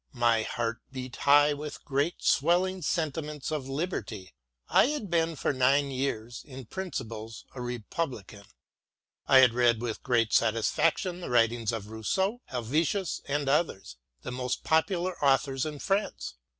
My heart beat high with great swelling sentiments of Liberty. I had been for nine years, in principles, a republican. I had read with great satisfaction the writings of Rousseau, Helvetius, and others — ^the most popular authors in France.